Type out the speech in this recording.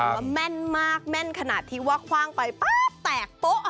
ว่าแม่นมากแม่นขนาดที่ว่าคว่างไปป๊าบแตกโป๊ะ